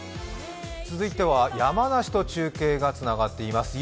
続いては山梨と中継がつながっています。